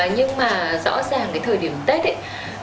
nhưng mà rõ ràng cái thời điểm tết ấy